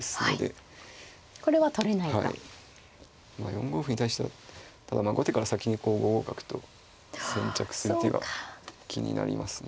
４五歩に対してはただまあ後手から先に５五角と先着する手が気になりますね。